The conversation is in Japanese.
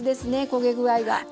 焦げ具合が。